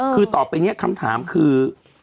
คือต่อไปนี้คำถามคือ